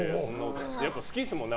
やっぱり好きですもんね